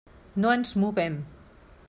No ens movem.